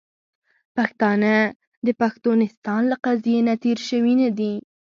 پښتانه د پښتونستان له قضیې نه تیر شوي نه دي .